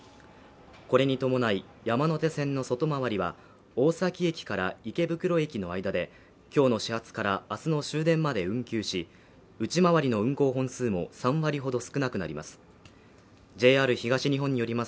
これに伴い山手線の外回りは大崎駅から池袋駅の間できょうの始発から明日の終電まで運休し内回りの運行本数も３割ほど少なくなります